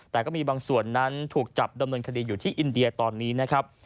แต่ก็มีบางส่วนนั้นถูกจับดำเนินคดีอยู่ที่อินเดียตอนนี้นะครับ